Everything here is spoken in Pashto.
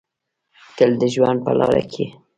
تل د ژوند په لاره کې